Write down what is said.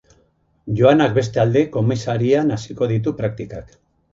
Joanak bestalde, komisarian hasiko ditu praktikak.